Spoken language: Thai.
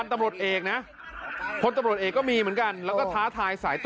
สิสิสิสิสิสิสิสิสิสิสิ